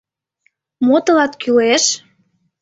— Мо тылат кӱлеш?